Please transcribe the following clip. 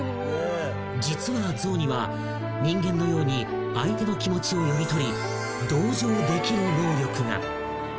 ［実はゾウには人間のように相手の気持ちを読み取り同情できる能力が］